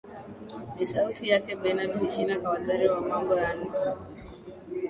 ni sauti yake benard kushina waziri wa mambo ya nje